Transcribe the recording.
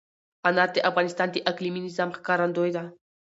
انار د افغانستان د اقلیمي نظام ښکارندوی ده.